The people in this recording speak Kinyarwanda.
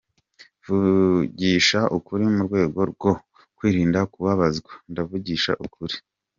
Vugisha ukuri mu rwego rwo kwirinda kubabazwa!” Ndavugisha ukuriI!”